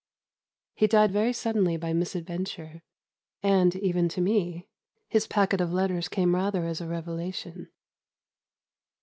He died very suddenly by misadventure, and, even to me, his packet of letters came rather as a revelation.